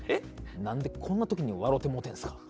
なんでこんなときにわろてもうてんすか？